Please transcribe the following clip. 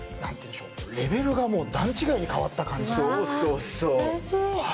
レベルが段違いに変わった感じ。